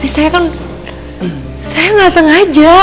saya ga sengaja